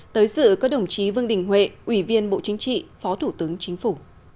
tới sự có đồng chí vương đình huệ ủy viên bộ chính trị phó thủ tướng chính phủ